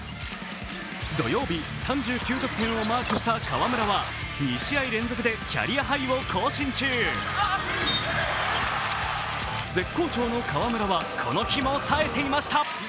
土曜日、３９得点をマークした河村は２試合連続でキャリアハイを更新中絶好調の河村はこの日も冴えていました。